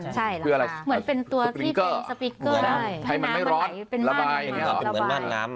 ใช่เพื่ออะไรเหมือนเป็นตัวที่เป็นใช่ให้มันไม่ร้อนระบายเป็นเหมือนม่านน้ำ